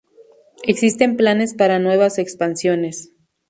Existen planes para nuevas expansiones.